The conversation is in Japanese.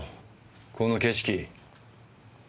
この景色。